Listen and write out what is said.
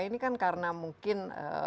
ini kan karena mungkin